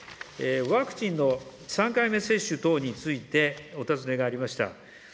ワクチンの３回目接種等についてお尋ねがありました。